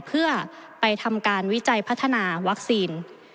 เพื่อไปทำการวิจัยพัฒนาวัคซีน